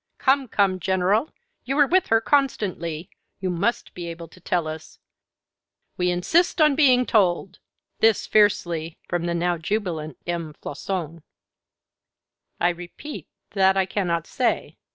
"Come, come, General, you were with her constantly; you must be able to tell us. We insist on being told." This fiercely, from the now jubilant M. Floçon. "I repeat that I cannot say.